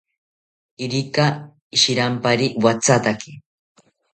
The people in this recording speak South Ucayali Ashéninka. Irika shirampari wathataki